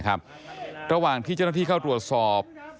ระหว่างที่เจ้าหน้าที่เข้าตรวจสอบ